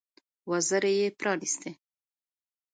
وزرې يې پرانيستې.